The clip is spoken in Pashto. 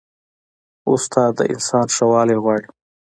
استاد د انسان ښه والی غواړي.